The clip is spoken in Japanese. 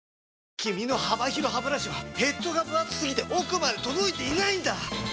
君の幅広ハブラシはヘッドがぶ厚すぎて奥まで届いていないんだ！